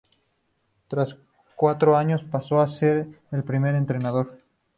Tras cuatro años pasó a ser el primer entrenador.